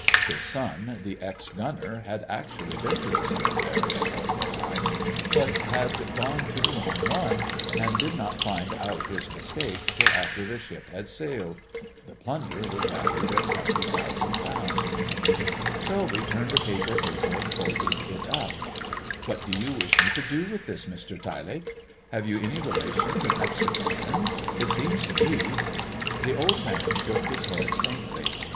His son, the ex Gunner, had actually been to a cemetery at Port des Reines, but had gone to the wrong one, and did not find out his mistake till after the ship had sailed. The plunder was valued at £70,000. Selby turned the paper over and folded it up. "What do you wish me to do with this, Mr Tyelake? Have you any relations or next of kin? It seems to me——" The old man shook his head faintly.